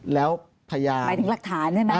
แล้วพยานหมายถึงหลักฐานใช่ไหม